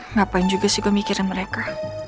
ngapain juga sih gue mikirin mereka